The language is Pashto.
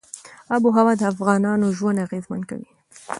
آب وهوا د افغانانو ژوند اغېزمن کوي.